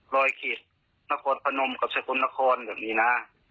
รอยคิดนโคลพนมกับช่วยคุณนโคลอย่างนี้นะ